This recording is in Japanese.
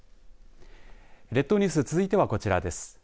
列島ニュース続いてはこちらです。